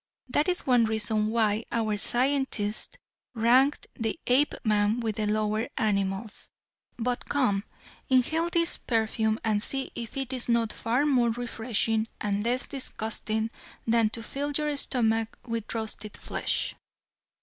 That is one reason why our scientists ranked the Apeman with the lower animals. But come, inhale this perfume and see if it is not far more refreshing and less disgusting than to fill your stomach with roasted flesh."